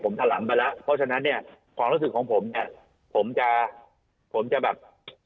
ผมถลำไปแล้วเพราะฉะนั้นเนี่ยความรู้สึกของผมเนี่ยผมจะผมจะแบบ